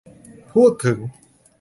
พูดถึง